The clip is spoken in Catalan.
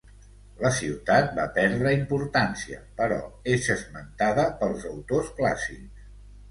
La ciutat va perdre importància però és esmentada pels autors clàssics.